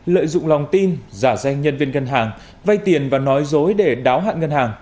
lợi dụng lòng tin giả danh nhân viên ngân hàng vay tiền và nói dối để đáo hạn ngân hàng